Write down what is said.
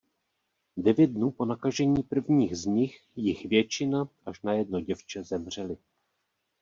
Devět dnů po nakažení prvních z nich jich většina až na jedno děvče zemřeli.